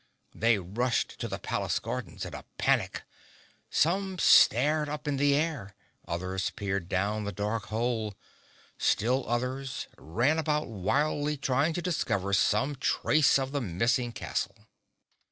They rushed to the palace gardens in a panic. Some stared up in the air; others peered down the dark hole; still others ran about wildly trying to discover some trace of the missing castle.